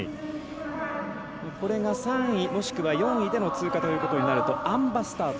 これが３位もしくは４位での通過となるとあん馬スタート